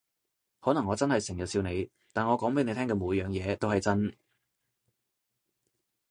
可能我真係成日笑你，但我講畀你聽嘅每樣嘢都係真